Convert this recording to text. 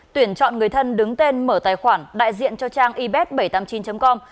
tuyển chọn người thân đứng tên mở tài khoản đại diện cho trang ib bảy trăm tám mươi chín com